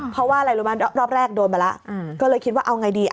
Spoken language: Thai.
เพราะว่ารอบแรกโดนมาแล้วก็เลยคิดว่าเอาไงดี